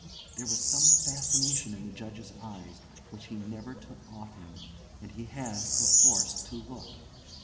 There was some fascination in the Judge's eyes, which he never took off him, and he had, perforce, to look.